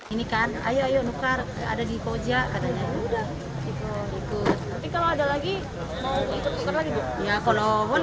ini kan ayo ayo nukar ada di poja katanya